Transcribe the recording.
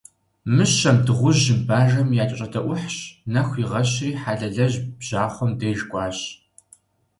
Мыщэм, Дыгъужьым, Бажэм якӀэщӀэдэӀухьщ, нэху игъэщри, Хьэлэлыжь бжьахъуэм деж кӀуащ.